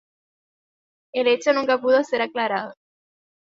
El hecho nunca pudo ser aclarado.